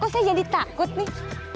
terus saya jadi takut nih